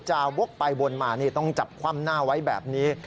วกไปวนมานี่ต้องจับคว่ำหน้าไว้แบบนี้